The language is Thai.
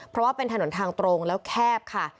เพราะว่าเป็นถนนทางตรงแล้วแคบค่ะ